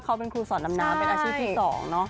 เขาเป็นครูสอนดำน้ำเป็นอาชีพที่๒เนอะ